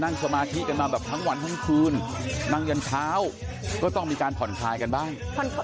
สมาธิกันมาแบบทั้งวันทั้งคืนนั่งยันเช้าก็ต้องมีการผ่อนคลายกันบ้าง